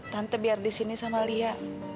tante biar disini sama lia